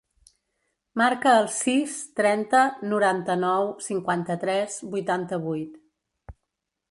Marca el sis, trenta, noranta-nou, cinquanta-tres, vuitanta-vuit.